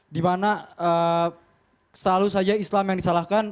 di mana selalu saja islam yang disalahkan